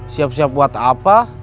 siap siap buat apa